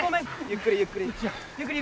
ゆっくりゆっくり。